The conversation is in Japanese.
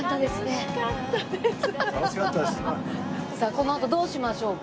このあとどうしましょうか？